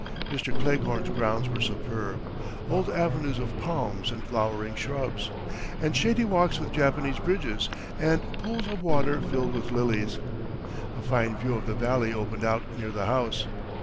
Mr. Cleghorn's grounds were superb old avenues of palms and flowering shrubs, and shady walks with Japanese bridges, and pools of water filled with lilies. A fine view of the valley opened out near the house.